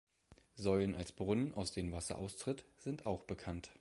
Säulen als Brunnen, aus denen Wasser austritt, sind auch bekannt.